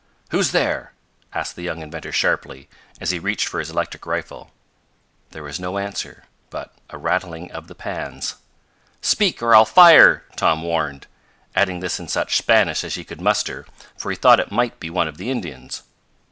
"Who's there?" asked the young inventor sharply, as he reached for his electric rifle. There was no answer, but a rattling of the pans. "Speak, or I'll fire!" Tom warned, adding this in such Spanish as he could muster, for he thought it might be one of the Indians.